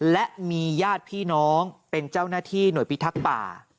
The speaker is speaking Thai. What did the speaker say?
และมีญาติพี่น้องเป็นเจ้าหน้าที่หน่วยพิทักษ์ป่า